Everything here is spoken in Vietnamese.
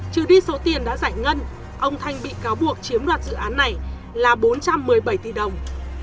trừ đi số tiền đã giải ngân ông thanh bị cáo buộc chiếm đoạt dự án này là bốn trăm một mươi bảy tỷ đồng